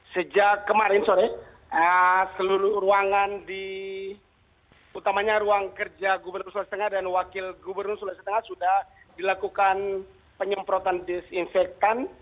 sejak kemarin sore seluruh ruangan di utamanya ruang kerja gubernur sulawesi tengah dan wakil gubernur sulawesi tengah sudah dilakukan penyemprotan disinfektan